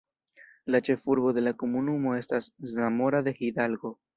La ĉefurbo de la komunumo estas Zamora de Hidalgo.